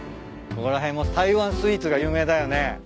ここら辺も台湾スイーツが有名だよね。